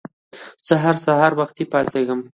زه هر سهار وختي پاڅېږم.